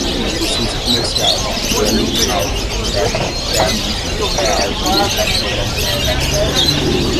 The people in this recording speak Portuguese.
licença comercial, demo, alfa, beta, pré-anúncio, pré-alfa, caixa-branca, caixa-preta